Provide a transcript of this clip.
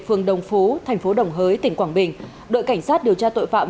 phường đồng phú thành phố đồng hới tỉnh quảng bình đội cảnh sát điều tra tội phạm